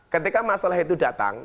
ketika masalah itu datang